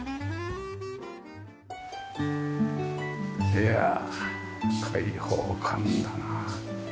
いや開放感だなあ。